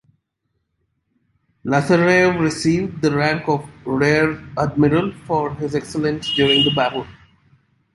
Lazarev received the rank of Rear Admiral for his excellence during the battle.